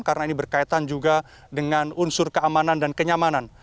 karena ini berkaitan juga dengan unsur keamanan dan kenyamanan